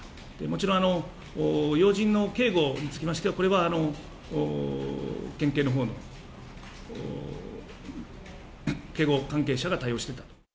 もちろん、要人の警護につきましては、これは県警のほうの警護関係者が対応していたと。